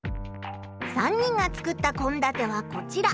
３人が作ったこんだてはこちら。